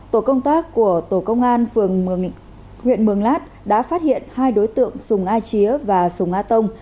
tổ công tác của tổ công an phường huyện mường lát đã phát hiện hai đối tượng sùng a chía và sùng a tông